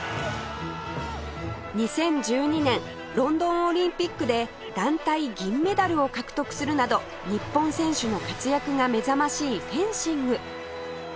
２０１２年ロンドンオリンピックで団体銀メダルを獲得するなど日本選手の活躍が目覚ましいフェンシング